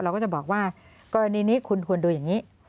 เราก็จะบอกว่ากรณีนี้คุณควรดูอย่างนี้